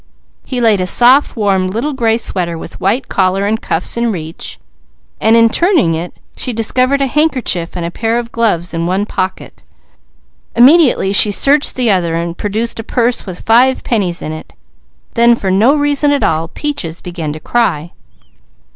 He laid a soft warm little gray sweater with white collar and cuffs in reach, and in turning it she discovered a handkerchief and a pair of gloves in one pocket. Immediately she searched the other and produced a purse with five pennies in it. Then for no reason at all, Peaches began to cry.